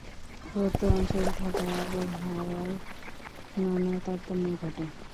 পার্বত্য অঞ্চল থাকায় আবহাওয়ার নানা তারতম্য ঘটে।